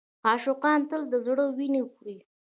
عاشقان تل د زړه وینه خوري.